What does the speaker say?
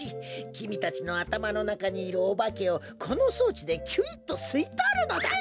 きみたちのあたまのなかにいるおばけをこのそうちできゅいっとすいとるのだ。